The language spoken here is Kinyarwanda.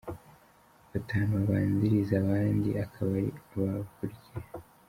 Batanu babanziriza abandi akaba ari aba bakurikira :.